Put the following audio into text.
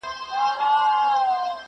• دا سړی چي درته ځیر دی مخامخ په آیینه کي,